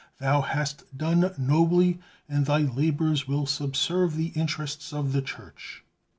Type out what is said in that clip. Thou hast done nobly, and thy labors will subserve the interests of the Church."